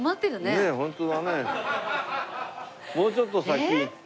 もうちょっと先。